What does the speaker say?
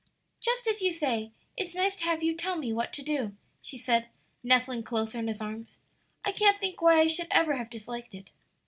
"Just as you say; it's nice to have you tell me what to do," she said, nestling closer in his arms. "I can't think why I should ever have disliked it."